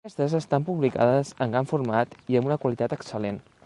Aquestes estan publicades en gran format i amb una qualitat excel·lent.